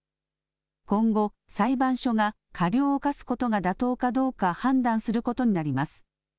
今後、裁判所が過料を科すことが妥当かどうか、判断することになります。